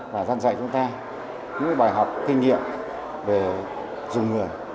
bác dạy chúng ta những bài học kinh nghiệm về dùng người